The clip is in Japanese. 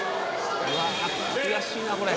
うわ悔しいなこれ。